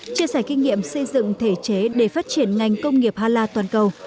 chia sẻ kinh nghiệm xây dựng thể chế để phát triển ngành công nghiệp hà la toàn cầu